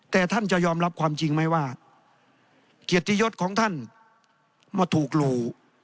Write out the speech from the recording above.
แต่ท่านจะยอมรับความจริงไหมว่าเกียรติยศของท่านมาถูกหลู่